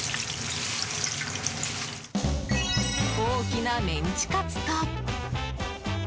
大きなメンチカツと。